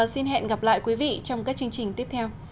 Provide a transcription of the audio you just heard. xin hẹn gặp lại quý vị trong các chương trình tiếp theo